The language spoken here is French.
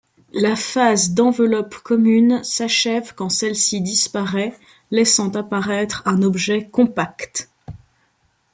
La phase d'enveloppe commune s'achève quand celle-ci disparaît, laissant apparaître un objet compact.